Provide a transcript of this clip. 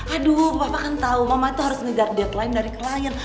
aduh bapak kan tahu mama itu harus ngejar deadline dari klien